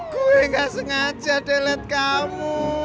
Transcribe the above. gue gak sengaja dellet kamu